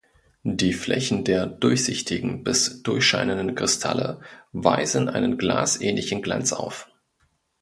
Die Flächen der durchsichtigen bis durchscheinenden Kristalle weisen einen glasähnlichen Glanz auf.